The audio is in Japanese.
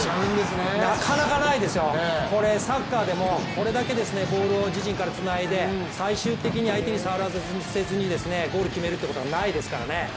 なかなかないですよ、サッカーでもこれだけボールを自陣からつないで最終的に相手に触らせずにゴールを決めるということはないですからね。